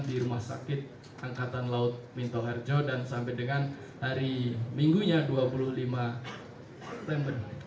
di rumah sakit angkatan laut minto harjo dan sampai dengan hari minggunya dua puluh lima september